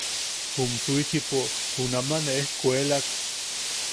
Jum Suichipo junama ne ejkuelak.